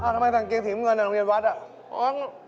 อ๋อทำไมถ่างเกมถิมเงินอยู่หรือโรงเรียนวัฒน์